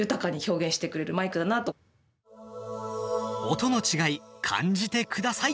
音の違い、感じてください。